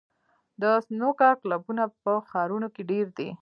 د سنوکر کلبونه په ښارونو کې ډېر دي.